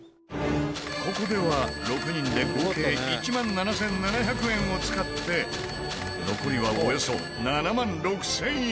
ここでは６人で合計１万７７００円を使って残りはおよそ７万６０００円。